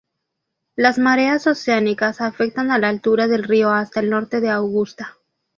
Las mareas oceánicas afectan a la altura del río hasta el norte de Augusta.